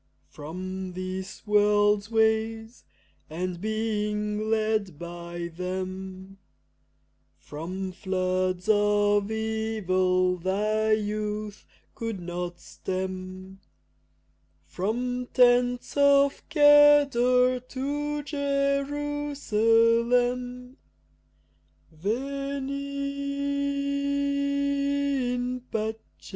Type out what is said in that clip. From this world's ways and being led by them, From floods of evil thy youth could not stem, From tents of Kedar to Jerusalem, Veni in pace!